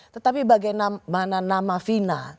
tetapi bagaimana nama fina